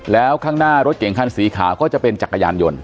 แล้วข้างหน้ารถเก่งคันสีขาวก็จะเป็นจักรยานยนต